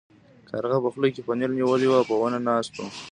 کارغه په خوله کې پنیر نیولی و او په ونه ناست و.